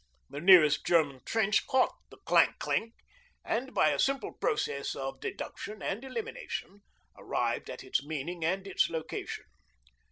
The nearest German trench caught the clank clink, and by a simple process of deduction and elimination arrived at its meaning and its location.